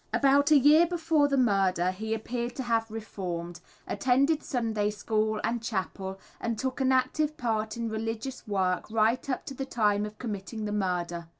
About a year before the murder he appeared to have reformed, attended Sunday school and chapel, and took an active part in religious work right up to the time of committing the murder.